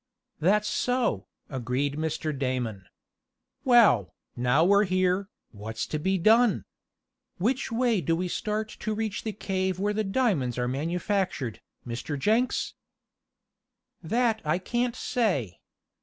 "That's so," agreed Mr. Damon. "Well, now we're here, what's to be done? Which way do we start to reach the cave where the diamonds are manufactured, Mr. Jenks?" "That I can't say.